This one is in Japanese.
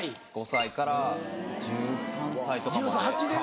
５歳から１３歳とかまで。